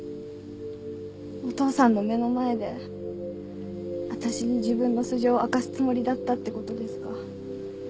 お父さんの目の前で私に自分の素性明かすつもりだったって事ですか？